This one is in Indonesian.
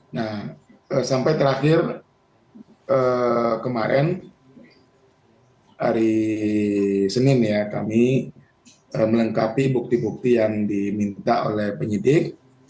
nah sampai terakhir kemarin hari senin ya kami melengkapi bukti bukti yang diminta oleh penyidik